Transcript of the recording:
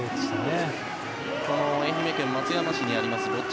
愛媛県松山市にあります坊っ